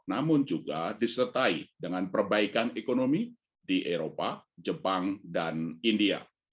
namun juga disertai dengan perbaikan ekonomi di eropa jepang dan india